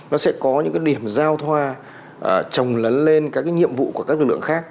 nó sẽ có những điểm giao thoa trồng lấn lên các nhiệm vụ của các lực lượng khác